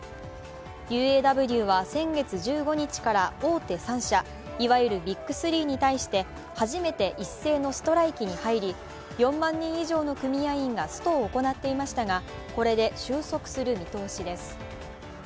ＵＡＷは先月１５日から大手３社、いわゆるビッグスリーに対して初めて一斉のストライキに入り４万人以上の組合員がストを行っていましたがこれで収束する見通しです。